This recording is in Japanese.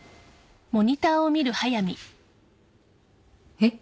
・えっ？